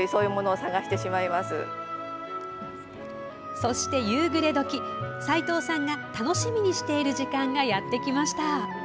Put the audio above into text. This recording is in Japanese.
そして夕暮れ時斉藤さんが楽しみにしている時間がやってきました。